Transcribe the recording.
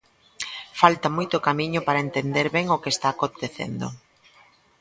Falta moito camiño para entender ben o que está acontecendo.